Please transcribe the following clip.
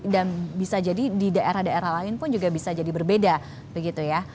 dan bisa jadi di daerah daerah lain pun juga bisa jadi berbeda begitu ya